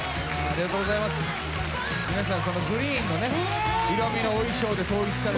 皆さん、そのグリーンの色味のお衣装で統一されて。